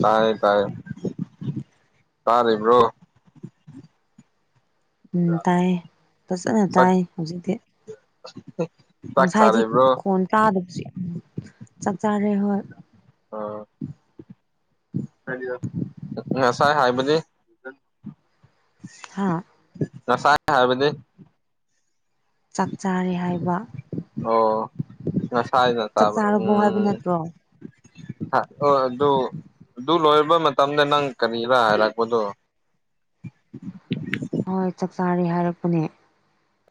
ꯇꯥꯏꯌꯦ ꯇꯥꯏꯌꯦ ꯇꯥꯔꯤꯕ꯭ꯔꯣ ꯎꯝ ꯇꯥꯏ ꯐꯖꯅ ꯇꯥꯏ ꯍꯧꯖꯤꯛꯇꯤ ꯍꯥ ꯍꯥ ꯉꯁꯥꯏꯗꯤ ꯀꯣꯟ ꯇꯥꯗꯕꯁꯨ ꯎꯝ ꯆꯥꯛ ꯆꯥꯔꯦ ꯍꯣꯏ ꯑꯣ ꯉꯁꯥꯏ ꯍꯥꯏꯕꯗꯤ ꯍꯥꯥ ꯅꯁꯥꯏ ꯍꯥꯏꯕꯗꯤ ꯆꯥꯛ ꯆꯥꯔꯦ ꯍꯥꯏꯕ ꯑꯣ ꯑꯁꯥꯏꯗ ꯆꯥꯛ ꯆꯥꯕꯔ ꯆꯥꯔꯕꯣ ꯍꯥꯏꯕ ꯎꯝ ꯅꯠꯇ꯭ꯔꯣ ꯍꯥ ꯑꯣ ꯑꯗꯨ ꯑꯗꯨ ꯂꯣꯏꯔꯕ ꯃꯇꯝꯗ ꯅꯪ ꯀꯔꯤꯔꯥ ꯍꯥꯏꯔꯛꯄꯗꯣ ꯍꯣꯏ ꯆꯥꯛ ꯆꯥꯔꯦ ꯍꯥꯏꯔꯛꯄꯅꯦ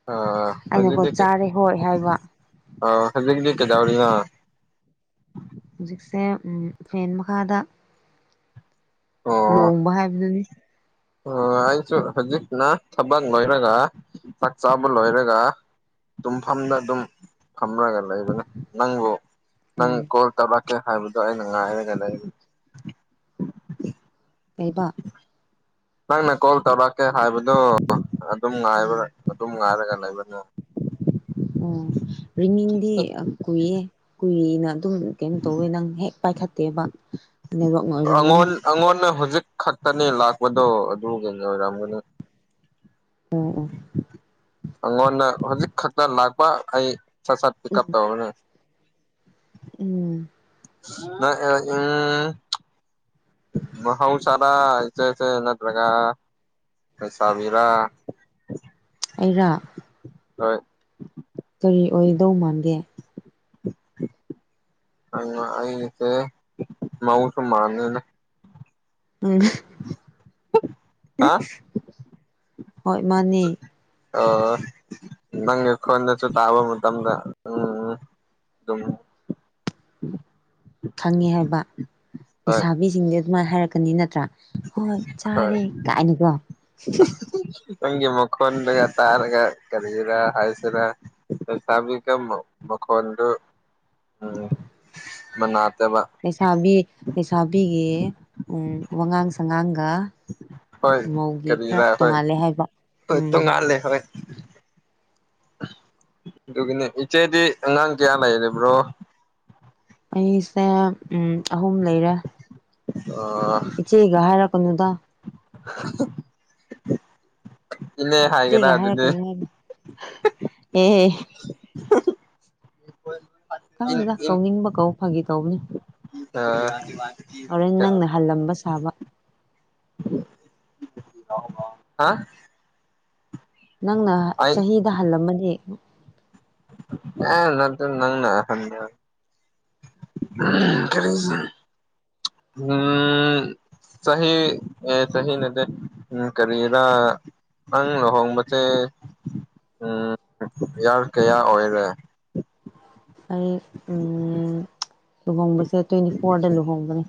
ꯑꯥ ꯑꯩꯅꯀꯣ ꯆꯥꯔꯦ ꯍꯣꯏ ꯍꯥꯏꯕ ꯑꯣ ꯍꯧꯖꯤꯛꯗꯤ ꯀꯩꯗꯧꯔꯤꯅꯣ ꯍꯧꯖꯤꯛꯁꯦ ꯎꯝ ꯐꯦꯟ ꯃꯈꯥꯗ ꯂꯣꯡꯕ ꯍꯥꯏꯕꯗꯨꯅꯤ ꯑꯣ ꯑꯩꯁꯨ ꯍꯧꯖꯤꯛꯅ ꯊꯕꯛ ꯂꯣꯏꯔꯒ ꯆꯥꯛ ꯆꯥꯕ ꯂꯣꯏꯔꯒ ꯇꯨꯝꯐꯝꯗ ꯑꯗꯨꯝ ꯐꯝꯂꯒ ꯂꯩꯕꯅꯦ ꯅꯪꯕꯨ ꯅꯪ ꯎꯝ ꯀꯣꯜ ꯇꯧꯔꯛꯀꯦ ꯍꯥꯏꯕꯗꯣ ꯑꯩꯅ ꯉꯥꯏꯔꯒ ꯂꯩꯕ ꯂꯩꯥꯕ ꯅꯪꯪ ꯀꯣꯜ ꯇꯧꯔ ꯀꯦ ꯍꯥꯏꯕꯗꯣ ꯑꯗꯨꯝ ꯉꯥꯏꯕꯔ ꯎꯝ ꯑꯗꯨꯝ ꯉꯥꯏꯔꯒ ꯂꯩꯕꯅꯦ ꯑꯣ ꯔꯤꯃꯤꯡꯗꯤ ꯀꯨꯏꯌꯦ ꯀꯨꯏꯅ ꯑꯗꯨꯝ ꯀꯩꯅꯣ ꯇꯧꯋꯦ ꯅꯪ ꯍꯦꯛ ꯄꯥꯏꯈꯠꯇꯦꯕ ꯅꯦꯠꯋꯥꯛꯅ ꯑꯣꯏꯔꯝꯒꯅꯤ ꯑꯩꯉꯣꯟ ꯑꯩꯉꯣꯟꯗ ꯍꯧꯖꯤꯛ ꯈꯛꯇꯅꯤ ꯂꯥꯛꯄꯗꯣ ꯑꯗꯨ ꯀꯩꯩ ꯑꯣꯏꯔꯝꯒꯅꯤ ꯎꯝ ꯎꯝ꯫ ꯑꯩꯉꯣꯟꯗ ꯍꯧꯖꯤꯛ ꯈꯛꯇ ꯂꯥꯛꯄ ꯑꯩ ꯁꯠ ꯁꯠ ꯄꯤꯛ ꯎꯞ ꯎꯝ ꯇꯧꯕꯅꯦ ꯎꯝ [unintelligible] ꯎꯝ꯫ ꯥꯎ ꯁꯔꯥꯁꯦꯁꯦ ꯅꯠꯇ꯭ꯔꯒꯥꯥꯁꯕꯤꯔ ꯑꯩꯔꯥꯛ ꯍꯣꯏ ꯀꯔꯤ ꯑꯣꯏꯗꯧ ꯃꯥꯟꯒꯦ꯫ [unintelligible] ꯃꯧꯖꯨ ꯃꯥꯜꯂꯦꯅꯦ꯫ ꯎꯝ ꯍꯥ ꯍꯣꯏ ꯃꯥꯅꯤ ꯑ ꯅꯪ ꯈꯣꯟꯗ ꯆ ꯇꯕ ꯑꯃ ꯇꯗ ꯎꯝ꯫ ꯑꯗꯨꯝ ꯈꯪꯉꯦ ꯍꯥꯏꯕ ꯍꯣꯏ ꯂꯩꯁꯥꯕꯤꯁꯤꯡꯗꯤ ꯑꯗꯨꯃꯥꯏꯅ ꯍꯥꯏꯔꯛꯀꯅꯤ ꯅꯠꯇ꯭ꯔꯥ ꯍꯣꯏ ꯍꯣꯏ ꯆꯥꯔꯦ ꯀꯥꯏꯅꯤꯀꯣ ꯅꯪꯒꯤ ꯃꯈꯣꯟꯗꯒ ꯇꯥꯔꯒ ꯀꯔꯤꯔꯥ ꯍꯥꯏꯁꯤꯔꯥ ꯁ ꯃꯈꯗꯨ ꯎꯝ ꯃꯅꯥ ꯇꯕ ꯂꯩꯁꯥꯕꯤ ꯂꯩꯁꯥꯕꯤꯒꯤ ꯋꯥꯉꯥꯡ ꯁꯉꯥꯡꯒ ꯍꯣꯏ ꯃꯧꯒꯤ ꯀꯔꯤ ꯈꯔ ꯔ ꯍꯣꯏ ꯇꯣꯡꯉꯥꯜꯂꯦ ꯍꯥꯏꯕ ꯍꯣꯏ ꯎꯝ ꯇꯣꯉꯜꯂꯦ ꯍꯣꯏ꯫ ꯑꯗꯨꯒꯤꯅꯦ ꯏꯆꯦꯗꯤ ꯑꯉꯥꯡ ꯀꯌꯥ ꯂꯩꯔꯕ꯭ꯔꯣ꯫ ꯑꯩꯁꯦ ꯑꯍꯨꯝ ꯂꯩꯔꯦ ꯑꯥ ꯏꯆꯦꯒ ꯍꯥꯏꯔꯛꯀꯅꯨꯗ꯫ ꯏꯅꯦ ꯍꯥꯏꯒꯦꯔꯥ ꯏꯆꯦꯒ ꯑꯗꯨꯗꯤ ꯍꯥꯏꯔꯛꯄꯅ ꯍꯥꯏ ꯑꯦꯍꯦ ꯏꯟ ꯈꯪꯗꯦꯗ ꯀꯧꯅꯤꯡꯕ ꯀꯧ ꯐꯥꯒꯤ ꯇꯧꯕꯅꯤ꯫ ꯇ ꯃꯥꯅꯤ ꯃꯥꯅꯤ꯫ ꯍꯣꯔꯦꯟ ꯅꯪꯅ ꯍꯜꯂꯝꯕ ꯁꯥꯕ꯫ ꯍꯥ ꯅꯪꯅ ꯑꯩ ꯆꯍꯤꯗ ꯍꯜꯂꯝꯃꯅꯤ ꯑꯦ ꯅꯇ ꯅꯪꯅꯗꯔꯤ ꯎꯝ ꯁꯍꯤ ꯁꯍꯤ ꯅꯠꯇꯦ ꯎꯝ ꯀꯔꯤꯔ ꯅꯪ ꯂꯨꯍꯣꯡꯕꯦ ꯎ꯫ ꯌꯥꯡ ꯀꯌꯥ ꯑꯣꯏꯔꯦ꯫ ꯑꯩ ꯂꯨꯍꯣꯡꯕꯁꯦ ꯇ꯭ꯋꯦꯟꯇꯤ ꯐꯣꯔꯗ ꯂꯨꯍꯣꯡꯕꯅꯦ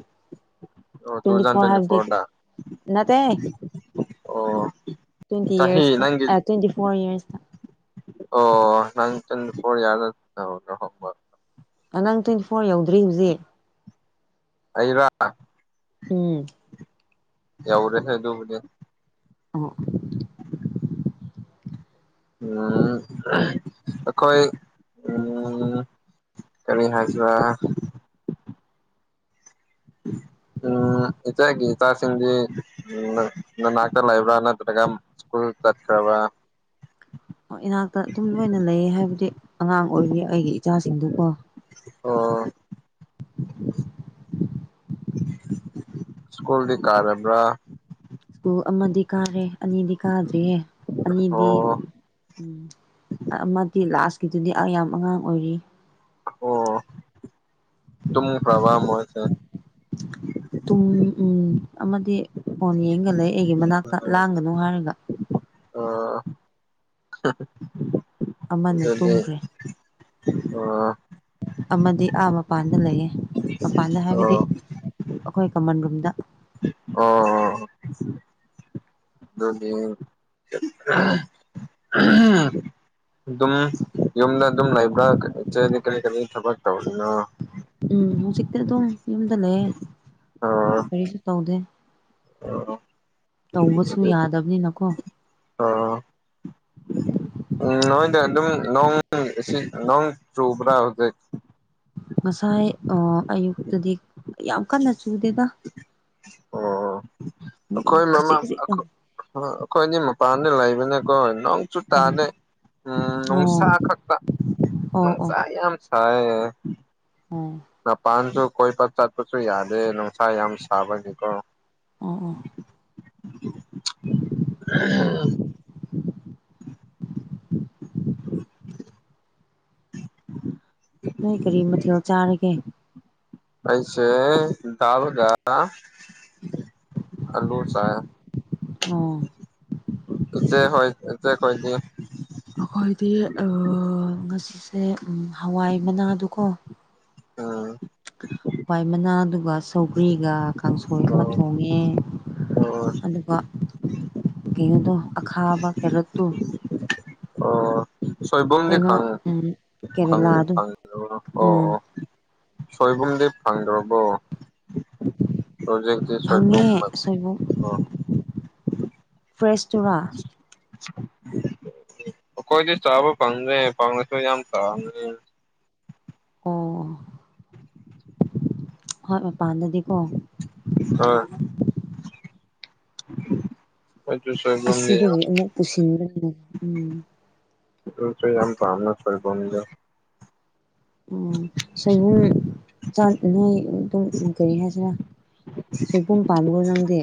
ꯑꯣ ꯇꯨ ꯇ꯭ꯋꯦꯟꯇꯤ ꯊꯥꯎꯖꯟ ꯐꯣꯔ ꯍꯚ ꯐꯣꯔꯗ ꯇ ꯑꯣ ꯇ꯭ꯋꯦꯟꯇꯤ ꯆꯍꯤ ꯏꯌꯔꯁ ꯅꯪꯒꯤ ꯇ ꯇ꯭ꯋꯦꯟꯤ ꯐꯣꯔ ꯏꯌꯔꯁ ꯇ ꯑꯣ ꯅꯪ ꯆꯟ [unintelligible] ꯅꯪ ꯇ꯭ꯋꯦꯟꯇꯤ ꯐꯣꯔ ꯌꯧꯗ꯭ꯔꯤ ꯍꯧꯖꯤꯛ꯫ ꯑꯩꯔꯥ ꯎꯝ ꯌꯥꯎꯔꯦ ꯍꯦ ꯑꯗꯨꯕꯨꯗꯤ꯫ ꯑꯣ ꯎꯝ ꯑꯩꯈꯣꯏ ꯎꯝ꯫ ꯀꯔꯤ ꯍꯥꯏꯁꯤ ꯋꯥ ꯎꯝ ꯏꯆꯦꯒꯤ ꯏꯆꯥꯁꯤꯡꯗꯤ ꯎ ꯅꯅꯥꯇ ꯂ ꯂꯩꯕ꯭ꯔꯥ ꯅꯠꯇ꯭ꯔꯒ ꯁꯀꯨꯜ ꯀꯠꯈ꯭ꯔꯕ꯭ꯔꯥ ꯏꯅꯥꯛꯇ ꯑꯗꯨꯝ ꯂꯣꯏꯅ ꯂꯩꯌꯦ ꯍꯥꯏꯕꯗꯤ ꯑꯉꯥꯡ ꯑꯣꯏꯔꯤ ꯑꯩꯒꯤ ꯏꯆꯥꯁꯤꯡꯗꯨꯀꯣ꯫ ꯑꯣ꯫ ꯁ꯭ꯀꯨꯜꯗꯤ ꯀꯥꯔꯕꯔ꯫ ꯁꯨ ꯑꯃꯗꯤ ꯀꯥꯔꯦ ꯑꯅꯤꯗꯤ ꯀꯥꯗ꯭ꯔꯤꯌꯦ ꯑꯅꯤꯗꯤ ꯑꯣ ꯎꯝ ꯑꯃꯗꯤ ꯂꯥꯁꯀꯤꯗꯨꯗꯤ ꯑ ꯌꯥꯝ ꯑꯉꯥꯡ ꯑꯣꯏꯔꯤ ꯑꯣ ꯈ꯭ꯔꯕ ꯃꯣꯏꯖꯨ꯫ ꯇꯨꯡ ꯎꯝ ꯑꯃꯗꯤ ꯐꯣꯟ ꯌꯦꯡꯒ ꯂꯩ ꯑꯩꯒꯤ ꯃꯅꯥꯛꯇ ꯂꯥꯡꯒꯅꯨ ꯍꯥꯏꯔꯒ ꯑ ꯑꯃꯅ ꯑꯗꯨꯗꯤ ꯇꯨꯝꯈ꯭ꯔꯦ ꯑ ꯑꯃꯗꯤ ꯑꯥ ꯃꯄꯥꯟꯗ ꯂꯩꯌꯦ ꯃꯄꯥꯟꯗ ꯍꯥꯏꯕꯗꯤ ꯑꯣ ꯑꯩꯈꯣꯏ ꯀꯃꯟ ꯔꯨꯝꯗ ꯑꯣ ꯑꯗꯨꯅꯤ ꯑ ꯍ ꯑꯗꯨꯝ ꯌꯨꯝꯗ ꯑꯗꯨꯝ ꯂꯩꯕ꯭ꯔꯥꯗꯤ ꯀꯔꯤ ꯀꯔꯤ ꯊꯕꯛ ꯇꯧꯔꯤꯅꯣ ꯎꯝ ꯍꯧꯖꯤꯛꯇꯤ ꯑꯗꯨꯝ ꯌꯨꯝꯗ ꯂꯩꯌꯦ ꯀꯔꯤꯁꯨ ꯇꯧꯗꯦ ꯑꯣ ꯑꯣ ꯇꯧꯕꯁꯨ ꯌꯥꯗꯕꯅꯤꯅꯀꯣ ꯑꯣ ꯅꯣꯏꯗ ꯑꯗꯨꯝ ꯅꯣꯡ ꯏꯁꯤꯠ ꯅꯣꯡ ꯆꯨꯕ꯭ꯔꯥ ꯍꯧꯖꯤꯛ ꯉꯁꯥꯏ ꯑꯣ ꯑꯌꯨꯛꯇꯗꯤ ꯌꯥꯝ ꯀꯟꯅ ꯆꯨꯗꯦꯗ ꯑꯣ ꯑꯩꯈꯣꯏ ꯃꯃꯥ ꯈꯖꯤꯛ ꯈꯖꯤꯛꯇꯪ ꯑꯩꯈꯣꯏꯗꯤ ꯃꯄꯥꯟꯗ ꯂꯩꯕꯅꯦꯀꯣ ꯅꯣꯡ ꯆꯨ ꯎꯝ ꯇꯥꯅꯩ ꯎꯝ ꯑꯣ ꯅꯨꯡꯁꯥ ꯈꯛꯇ ꯑꯣ ꯑꯣ ꯅꯨꯡꯁꯥ ꯌꯥꯝ ꯍ ꯑꯣ ꯃꯄꯥꯟꯁꯨ ꯀꯣꯏꯕ ꯆꯠꯄꯁꯨ ꯌꯥꯗꯦ ꯅꯨꯡꯁꯥ ꯌꯥꯝ ꯁꯥꯕꯒꯤꯀꯣ ꯑꯥ ꯑꯥ [unintelligible] ꯅꯣꯏ ꯀꯔꯤ ꯃꯊꯦꯜ ꯆꯥꯔꯒꯦ ꯑꯩꯁꯦ ꯗꯥꯜ ꯒ ꯑꯂꯨ ꯆꯥꯏꯌꯦ ꯑꯣ ꯏꯆꯦ ꯍꯣꯏ ꯏꯆꯦ ꯀꯣꯏ ꯗꯤ ꯑꯩꯈꯣꯏꯗꯤ ꯑꯥ ꯉꯁꯤꯁꯦ ꯎꯝ ꯍꯋꯥꯏ ꯃꯅꯥꯗꯨ ꯀꯣ ꯎꯝ ꯄꯏ ꯃꯅꯥ ꯑꯗꯨꯒ ꯁꯧꯒ꯭ꯔꯤꯒ ꯀꯥꯡꯁꯣꯏ ꯑꯃ ꯊꯣꯡꯉꯦ ꯑꯣ ꯑꯗꯨꯒ ꯀꯩꯅꯣꯗꯣ ꯑꯈꯥꯕ ꯀꯦꯔꯠꯇꯨ ꯑꯣ ꯁꯣꯏꯕꯨꯝꯗꯤ ꯀꯩꯅꯣ ꯈꯪ ꯎꯝ ꯈꯪ ꯀꯦꯔꯦꯂꯥꯗꯨ ꯈꯪ ꯑꯣ ꯎꯝ ꯑꯣ ꯁꯣꯏꯕꯨꯝꯗꯤ ꯐꯪꯗ꯭ꯔꯕꯣ ꯍꯧꯖꯤꯛꯇꯤ ꯐꯪꯉꯦ ꯁꯣꯏꯕꯨꯝ ꯁꯣꯏꯕꯨꯝ ꯑꯣ ꯐ꯭ꯔꯦꯁꯇꯣꯔꯥ ꯑꯩꯈꯣꯏꯗꯤ ꯆꯥꯕ ꯐꯪꯗ꯭ꯔꯦ ꯐꯪꯉꯁꯨ ꯌꯥꯝ ꯇꯡꯒ꯭ꯔꯦ ꯑꯣ ꯍꯣꯏ ꯃꯄꯥꯟꯗꯗꯤꯀꯣ ꯍꯣꯏ [unintelligible] ꯌꯥꯝ ꯑꯁꯤꯗꯒꯤ ꯑꯃꯨꯛ ꯄꯨꯁꯤꯟ [unintelligible] ꯅ ꯎꯝ ꯑꯗꯨꯁꯨ ꯌꯥꯝ ꯄꯥꯝꯃꯦ ꯁꯣꯏꯕꯨꯝꯗꯣ ꯑꯣ ꯁꯣꯏꯕꯨꯝ ꯆꯥꯏ ꯑꯗꯨꯝ ꯀꯔꯤ ꯍꯥꯏꯁꯤꯔꯥ ꯁꯣꯏꯕꯨꯝ ꯄꯥꯝꯕ꯭ꯔꯣ ꯅꯪꯗꯤ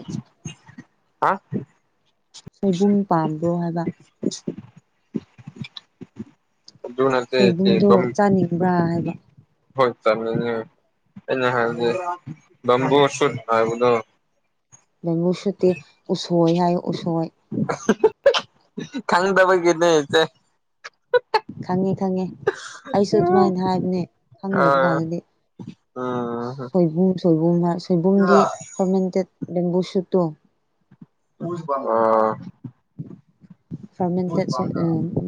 ꯍꯥ ꯁꯣꯏꯕꯨꯝ ꯄꯥꯝꯕ꯭ꯔꯣ ꯍꯥꯏꯕ ꯑꯗꯨ ꯅꯠꯇꯦ ꯁꯣꯏꯕꯨꯝꯗꯣ ꯆꯦꯕꯝ ꯆꯥꯅꯤꯡꯕ꯭ꯔꯥ ꯍꯥꯏꯕ ꯍꯣꯏ ꯆꯥꯅꯤꯡꯉꯤ ꯑꯩꯅ ꯍꯥꯏꯕꯁ ꯕꯝꯕꯨ ꯁꯨꯠ ꯍꯥꯏꯕꯗꯣ ꯕꯦꯝꯕꯨ ꯁꯨꯠꯇꯤ ꯎꯁꯣꯏ ꯍꯥꯏꯌꯣ ꯎꯁꯣꯏ ꯈꯪꯗ ꯕꯒꯤꯅꯦ ꯆꯦ ꯈꯪꯉꯦ ꯈꯪꯉꯦ ꯑꯩꯁꯨ ꯑꯗꯨꯃꯥꯏꯅ ꯍꯥꯏꯕꯅꯦ ꯑ ꯈꯪꯗꯕ ꯀꯥꯟꯗꯗꯤ ꯎꯝ ꯁꯣꯏꯕꯨꯝ ꯁꯣꯏꯕꯨꯝ ꯍꯥꯏ ꯁꯣꯏꯕꯨꯝꯗꯤ ꯐꯔꯃꯦꯟꯇꯦꯠ ꯕꯦꯝꯕꯨ ꯁꯨꯠꯇꯣ ꯑ ꯐꯥꯔꯃꯦꯟꯇꯦꯠ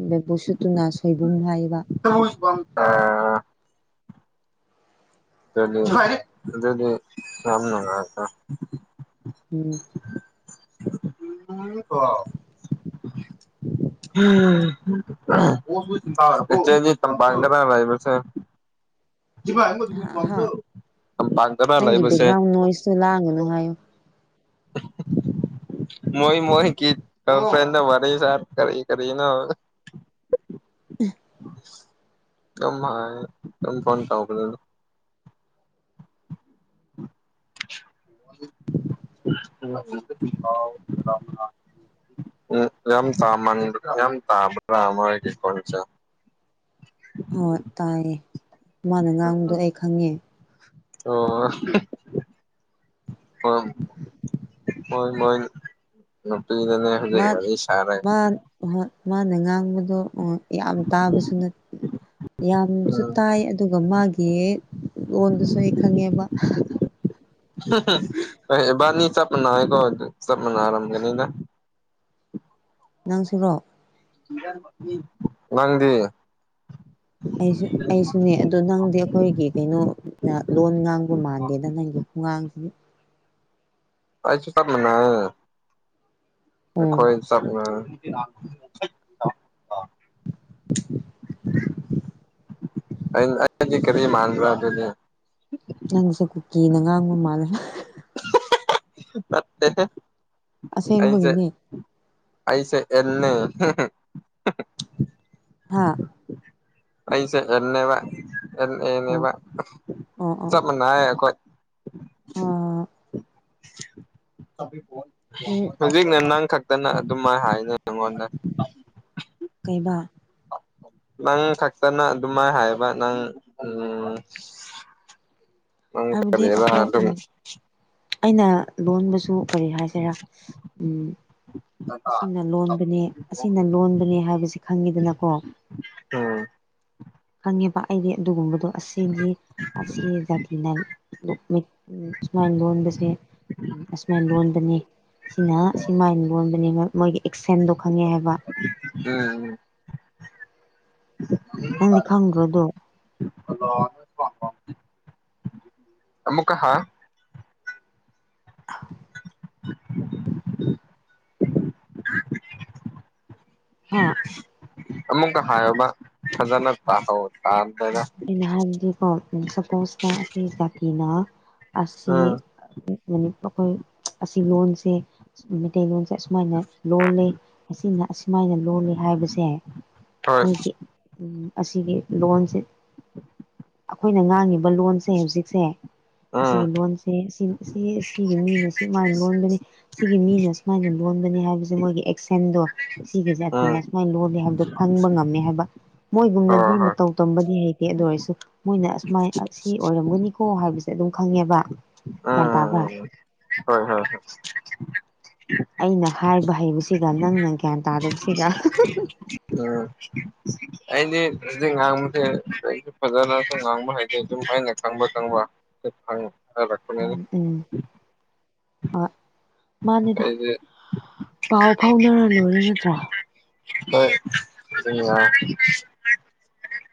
ꯕꯦꯝꯕꯨ ꯁꯨꯠꯇꯨꯅ ꯁꯣꯏꯕꯨꯝ ꯍꯥꯏꯕ [unintelligible] ꯑꯗꯨꯗꯤ ꯑꯗꯨꯗꯤ ꯌꯝ ꯅꯨꯉꯥꯀꯣ ꯎꯝ ꯎꯝ [inaudible] ꯂꯩꯕꯁꯦ ꯍꯥ ꯍꯥ ꯇꯝꯄꯥꯛꯇꯔ ꯅꯪꯒꯤ ꯂꯩꯕꯁꯦ ꯕꯦꯛꯒ꯭ꯔꯥꯎꯟ ꯅꯣꯏꯁꯁꯨ ꯂꯥꯡꯒꯅꯨ ꯍꯥꯏꯌꯨ [inaudible] ꯃꯣꯏ ꯃꯣꯏꯒꯤ ꯒꯜꯐ꯭ꯔꯦꯟ ꯋꯔꯤ ꯁꯥ ꯀꯔꯤꯅꯣ ꯑ ꯀ ꯍꯥꯏ ꯀ ꯐꯣꯟ ꯇꯧꯖꯅꯤ [inaudible] [unintelligible] [unintelligible] ꯃꯣꯏꯒꯤ ꯈꯨꯟꯁꯦ ꯍꯣꯏ ꯇꯥꯏꯌꯦ ꯃꯥꯅ ꯉꯥꯡꯕꯗꯣ ꯑꯩ ꯈꯪꯉꯦ ꯑꯣ ꯏ ꯃꯟ ꯃꯟ ꯏꯦ ꯃꯥꯅ ꯉꯥꯡꯕꯗꯣ ꯌꯥꯝ ꯇꯥꯕꯁꯨ ꯅꯠꯇꯦ ꯌꯥꯝꯅꯁꯨ ꯎꯝ ꯇꯥꯏ ꯑꯗꯨꯒ ꯃꯥꯒꯤ ꯂꯣꯟꯗꯨꯁꯨ ꯑꯩ ꯈꯪꯉꯦꯕ꯫ ꯏꯕꯥꯅꯤ ꯆꯞ ꯃꯅ ꯀꯣ ꯆꯞ ꯃꯅꯔꯝꯒꯦꯅꯤꯗ ꯅꯪꯁꯨꯔꯣ ꯅꯪꯗꯤ ꯑꯩꯁꯨ ꯑꯩꯁꯨꯅꯦ ꯑꯗꯣ ꯅꯪꯗꯤ ꯑꯩꯈꯣꯏꯒꯤ ꯀꯩꯅꯣ ꯂꯣꯟ ꯉꯥꯡꯕ ꯃꯥꯟꯗꯦꯗ ꯅꯪꯗꯤ꯫ ꯋꯥꯉꯥꯡ [unintelligible] ꯑꯩꯁꯨ ꯇꯞꯅ ꯉꯥꯡꯉꯒꯦ ꯎꯝ ꯈꯣꯏ ꯆꯞ ꯃꯅꯩ [inaudible] [unintelligible] [inaudible] [unintelligible] ꯀꯔꯤ ꯃꯥꯟꯕ꯭ꯔꯥ ꯑꯗꯨꯗꯤ ꯅꯪꯁꯦ ꯀꯨꯀꯤꯅ ꯉꯥꯡꯕ ꯃꯥꯜꯂꯦ꯫ ꯍꯥ ꯍꯥ ꯅꯠꯇꯦꯍꯦ ꯑꯩꯁꯦ ꯑꯁꯦꯡꯕꯒꯤꯅꯦ ꯄꯩꯁꯦ ꯑꯦꯜꯅꯤ ꯍꯥꯥ ꯑꯩꯩꯁꯦ ꯑꯦꯜꯅꯦ ꯑꯦꯜ ꯑꯣ ꯑꯦꯅꯦꯕ ꯑꯣ ꯑꯣ ꯆꯞ ꯃꯥꯟꯅꯩꯌꯦ ꯑꯩꯈꯣꯏ꯫ ꯑꯥ ꯀꯕꯤꯣꯜ ꯎꯝ ꯍꯧꯖꯤꯛꯅ ꯅꯪ ꯈꯛꯇꯅ ꯑꯗꯨꯃꯥꯏ ꯍꯥꯏꯅꯦ ꯑꯩꯉꯣꯟꯗ꯫ ꯀꯩꯕ ꯅꯪ ꯈꯛꯇꯅ ꯑꯗꯨꯃꯥꯏꯅ ꯍꯥꯏꯕ ꯅꯪ ꯎꯝ ꯅꯪ ꯍꯥꯏꯕꯗꯤ ꯀꯔꯤꯔ ꯑꯗꯨꯝ ꯑꯩꯈꯣꯏ ꯑꯩꯅ ꯂꯣꯟꯕꯁꯨ ꯀꯔꯤ ꯍꯥꯏꯁꯤꯦꯔꯥ ꯎꯝ ꯑꯁꯤꯅ ꯂꯣꯟꯕꯅꯦ ꯑꯁꯤꯅ ꯂꯣꯟꯕꯅꯦ ꯍꯥꯏꯕꯁꯤ ꯈꯪꯉꯤꯗꯅꯀꯣ ꯎꯝ ꯈꯪꯉꯦꯕ ꯑꯩꯗꯤ ꯑꯗꯨꯒꯨꯝꯕꯗꯣ ꯑꯁꯤꯗꯤ ꯑꯁꯤ ꯖꯥꯇꯤꯅ ꯑꯁꯨꯃꯥꯏ ꯂꯣꯟꯕꯁꯦ ꯑꯁꯨꯃꯥꯏꯅ ꯂꯣꯟꯕꯅꯤ ꯁꯤꯅ ꯁꯤ ꯃꯥꯏꯟ ꯂꯣꯟꯕꯅꯤ ꯃꯣꯏꯒꯤ ꯑꯦꯛꯁꯦꯟꯗꯣ ꯈꯪꯉꯦ ꯍꯥꯏꯕ ꯎꯝ [inaudible] ꯅꯪꯗꯤ ꯈꯪꯗ꯭ꯔꯣꯗꯣ ꯍꯜꯂꯣ [unintelligible] ꯑꯃꯨꯛꯀ ꯍꯥ ꯑ [inaudible] ꯍꯥ ꯑꯃꯨꯛꯀ ꯍꯥꯏꯌꯣꯕ ꯐꯖꯅ ꯇꯥꯍꯧ [unintelligible] ꯑꯩ ꯅꯍꯥꯟꯗꯤꯀꯣ ꯁꯄꯣꯁꯇ ꯑꯁꯤ ꯖꯥꯇꯤꯅ ꯑꯁꯤ ꯎꯝ ꯃꯅꯤ [unintelligible] ꯑꯁꯤ ꯂꯣꯟꯖꯦ ꯃꯩꯇꯩꯂꯣꯟꯁꯦ ꯑꯁꯨꯃꯥꯏꯅ ꯂꯣꯜꯂꯤ ꯑꯁꯤꯅ ꯑꯁꯨꯃꯥꯏꯅ ꯂꯣꯜꯂꯤ ꯍꯥꯏꯕꯁꯦ ꯍꯣꯏ ꯎꯝ ꯑꯁꯤꯒꯤ ꯂꯣꯟꯁꯦ ꯑꯩꯈꯣꯏꯅ ꯉꯥꯡꯉꯤꯕ ꯂꯣꯟꯁꯦ ꯍꯧꯖꯤꯛꯁꯦ ꯎꯝ ꯑꯁꯤꯒꯤꯒꯤ ꯂꯣꯟꯁꯦ ꯁꯤ ꯁꯤꯒꯤ ꯃꯤꯅ ꯁꯤ ꯁꯨꯃꯥꯏꯅ ꯂꯣꯟꯕꯅꯤ ꯁꯤꯒꯤ ꯃꯤꯅ ꯁꯨꯃꯥꯏꯅ ꯂꯣꯟꯕꯅꯤ ꯍꯥꯏꯕꯁꯦ ꯃꯣꯏꯒꯤ ꯑꯦꯛꯁꯦꯟꯗꯣ ꯁꯤꯒꯤ ꯎꯝ ꯖꯥꯇꯤꯅ ꯁꯨꯃꯥꯏꯅ ꯂꯣꯜꯂꯦ ꯍꯥꯏꯕꯗꯣ ꯈꯪꯕ ꯉꯝꯃꯦ ꯍꯥꯏꯕ ꯍꯣꯏ ꯃꯣꯏꯒꯨꯝꯅꯗꯤ ꯍꯣꯏ ꯃꯇꯧ ꯇꯝꯕꯗꯤ ꯍꯩ ꯇꯦ ꯑꯗꯨ ꯑꯣꯏꯔꯁꯨ ꯃꯣꯏꯅ ꯑꯁꯨꯃꯥꯏ ꯑꯁꯤ ꯑꯣꯏꯔꯝꯒꯅꯤꯀꯣ ꯍꯥꯏꯕꯁꯦ ꯑꯗꯨꯝ ꯈꯪꯉꯦꯕ ꯎꯝ ꯒ꯭ꯌꯥꯟ ꯎꯝ ꯇꯥꯕ꯭ꯔꯥ ꯎꯝ ꯍꯣꯏ ꯍꯣꯏ ꯍꯣꯏ ꯑꯩꯅ ꯍꯥꯏꯕ ꯍꯩꯕꯁꯤꯒ ꯅꯪꯅ ꯒ꯭ꯌꯥꯟ ꯇꯥꯗꯕꯁꯤꯒ [unintelligible] ꯑꯩꯗꯤ ꯍꯧꯖꯤꯛ ꯉꯥꯡꯕꯖꯦ ꯑꯩꯁꯨ ꯐꯖꯅꯁꯨ ꯉꯥꯡꯕ ꯍꯩꯇꯦ ꯑꯗꯨꯝ ꯑꯩꯅ ꯈꯪꯕ ꯈꯪꯕ [unintelligible] ꯎꯝ ꯎꯝ ꯍꯣꯏ ꯃꯥꯅꯦꯗ ꯑꯩꯗꯤ ꯄꯥꯎ ꯐꯥꯎꯅꯔ ꯂꫭꯏꯔꯦ ꯅꯠꯇ꯭ꯔꯥ [unintelligible]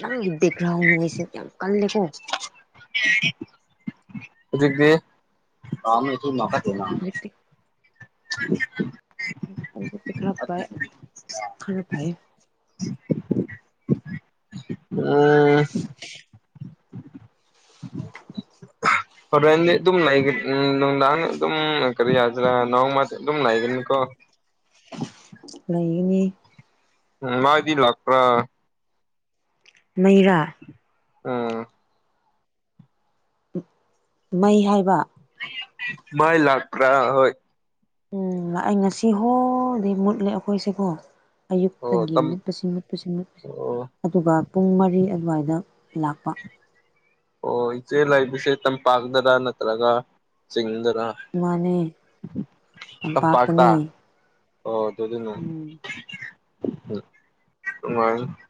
ꯅꯪꯒꯤ ꯕꯦꯛꯒ꯭ꯔꯥꯎꯟ ꯅꫭꯏꯁꯁꯦ ꯌꯥꯝ ꯀꯜꯂꯦꯀꯣ [unintelligible] ꯍꯧꯖꯤꯛꯇꯤ [inaudible] ꯑꯗꯨꯖꯤꯛꯇꯤ ꯈꯔ ꯐ ꯈꯔ ꯐꯩꯌꯦ [unintelligible] ꯑ ꯍꫭꯔꯦꯟꯗꯤ ꯑꯗꯨꯝ ꯂꯩꯒ ꯎꯝ ꯅꯨꯡꯗꯥꯡ ꯑꯗꯨꯝ ꯀꯔꯤ ꯍꯥꯏꯁꯤꯔ ꯅꯣꯡ ꯃꯥꯁꯤ ꯑꯗꯨꯝ ꯂꯩꯒꯅꯤ ꯀꯣ ꯂꯩꯒꯅꯤ ꯎ ꯃꯥꯗꯤ ꯂꯥꯛꯄ꯭ꯔꯥ ꯃꯩꯔꯥ ꯎꯝ ꯃꯩ ꯍꯥꯏꯕ ꯃꯥꯏ ꯂꯥꯛꯀ꯭ꯔꯥ ꯍꯣꯏ ꯎꯝ ꯑꯩ ꯉꯁꯤ ꯍꯣꯜꯗꯣ ꯃꯨꯠꯂꯦ ꯑꯩꯈꯣꯏꯁꯦꯀꯣ ꯑꯣ ꯑꯌꯨꯛꯇꯒꯤ ꯇꯝ ꯃꯨꯠꯄꯁꯤ ꯃꯨꯠ ꯑꯣ [unintelligible] ꯑꯗꯨꯒ ꯄꯨꯡ ꯃꯔꯤ ꯑꯗꯨꯋꯥꯏꯗ ꯂꯥꯛꯄ ꯑꯣ ꯏꯆꯦ ꯂꯕꯁꯦ ꯇꯝꯄꯥꯛꯇꯔ ꯅꯠꯇ꯭ꯔꯒ ꯆꯤꯡꯗꯔ ꯃꯅꯤ ꯇꯝꯄꯥꯛꯇ ꯇꯝꯄꯥꯛꯇꯅꯤ ꯑꯣ ꯑꯗꯨꯗꯤ [unintelligible]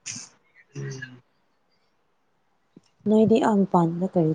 [unintelligible] ꯅꯣꯏꯗꯤ ꯌꯥꯝ ꯄꯥꯟꯕꯗ ꯀꯔꯤ